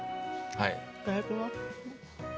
いただきます。